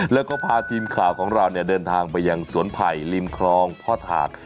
แล้วก็พาทีมข่าวของเราเนี่ยเดินทางไปยังสวนไผ่ริมคลองพ่อถาก